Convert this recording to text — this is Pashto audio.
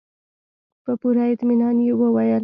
په پوره اطمينان يې وويل.